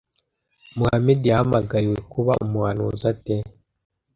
Muhamadi yahamagariwe kuba umuhanuzi ate